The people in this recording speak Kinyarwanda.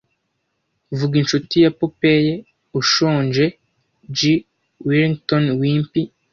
Vuga inshuti ya Popeye ushonje J Wellington Wimpy